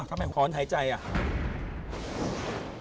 อ้าวทำไมขอนหายใจอ่ะ